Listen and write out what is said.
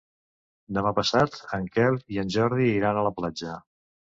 Demà passat en Quel i en Jordi iran a la platja.